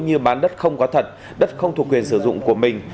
như bán đất không có thật đất không thuộc quyền sử dụng của mình